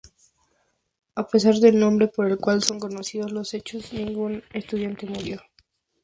A pesar del nombre por el cual son conocidos los hechos, ningún estudiante murió.